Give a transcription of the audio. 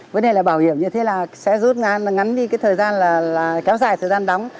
vấn đề là bảo hiểm như thế là sẽ rút ngắn đi cái thời gian là kéo dài thời gian đóng